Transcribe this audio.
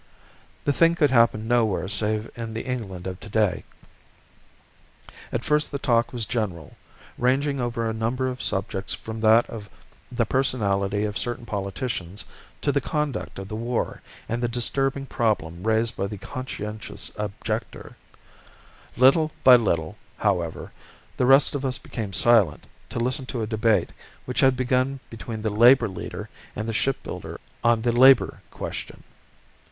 The thing could happen nowhere save in the England of today. At first the talk was general, ranging over a number of subjects from that of the personality of certain politicians to the conduct of the war and the disturbing problem raised by the "conscientious objector"; little by little, however, the rest of us became silent, to listen to a debate which had begun between the labour leader and the ship builder on the "labour question."